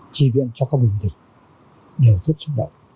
tri viện cho các bình dịch điều thức sức mạnh